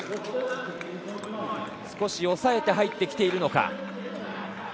少し抑えて入ってきているのか。